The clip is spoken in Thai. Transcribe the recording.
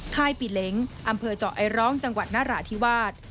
ค่ายปีเล้งอำเภอเจาะไอร้องจังหวัดนราธิวาส